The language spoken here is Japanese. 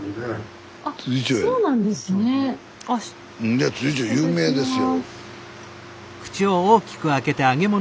いや調有名ですよ。